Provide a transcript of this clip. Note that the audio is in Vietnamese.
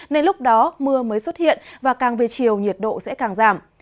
nên lúc đó mưa mới xuất hiện và càng về chiều nhiệt độ sẽ càng giảm